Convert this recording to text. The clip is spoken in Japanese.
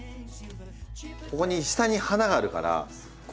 ここに下に花があるからこの花をね